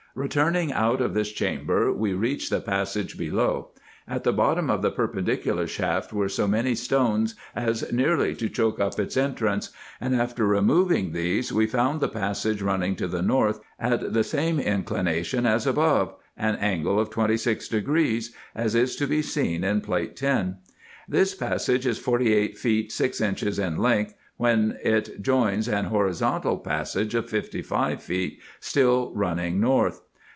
Returning out of this chamber we reached the passage below. At the bottom of the perpendicular shaft were so many stones as nearly to choke up its entrance, and after removing these we found the passage running to the north, at the same inclination as above, an angle of 26°, as is to be seen in Plate 10. This passage is forty eight feet six inches in length, when it joins an horizontal passage of fifty five feet still running north.